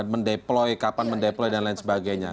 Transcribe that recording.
mendeploy kapan mendeploy dan lain sebagainya